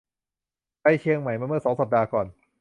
ไปเชียงใหม่มาเมื่อสองสัปดาห์ก่อน